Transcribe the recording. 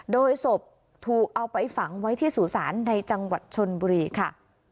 โดยศพถูกเอาไปฝังไว้ที่สู่ศาลในจังหวัดชนบุรีค่ะ